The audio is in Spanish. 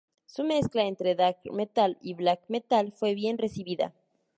Su mezcla entre Dark Metal y Black metal fue bien recibida.